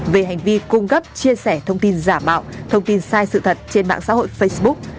về hành vi cung cấp chia sẻ thông tin giả mạo thông tin sai sự thật trên mạng xã hội facebook